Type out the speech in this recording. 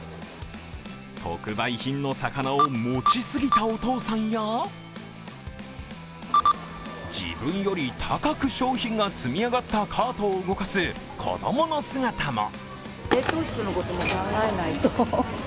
特売品の魚を持ちすぎたお父さんや自分より高く商品が積み上がったカートを動かす子供の姿も。